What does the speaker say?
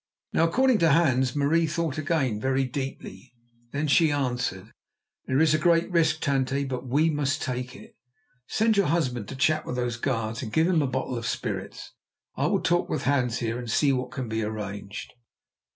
Now, according to Hans, Marie thought again very deeply. Then she answered: "There is a great risk, tante; but we must take it. Send your husband to chat with those guards, and give him a bottle of spirits. I will talk with Hans here and see what can be arranged."